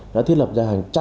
đã thiết lập ra hàng trăm